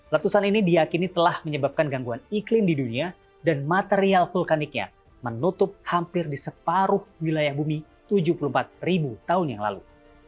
letusan ini diakini telah menyebabkan gangguan iklim di dunia dan material vulkaniknya menutup hampir di separuh wilayah bumi tujuh puluh empat ribu tahun yang lalu